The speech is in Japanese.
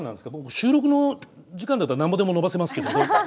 収録の時間だったらなんぼでも延ばせますけど。